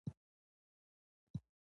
زما په اړه تاسو ناسم مالومات ټول کړي